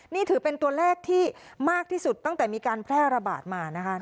นี่ถือเป็นตัวเลขที่มากที่สุดตั้งแต่มีการแพร่ระบาดมานะคะ